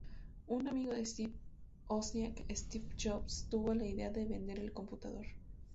Un amigo de Steve Wozniak, Steve Jobs, tuvo la idea de vender el computador.